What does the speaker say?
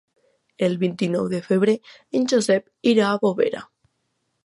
El vint-i-nou de febrer en Josep irà a Bovera.